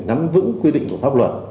nắm vững quy định của pháp luật